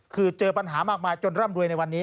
คือเจอปัญหามากมายจนร่ำรวยในวันนี้